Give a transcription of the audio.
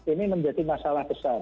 ini menjadi masalah besar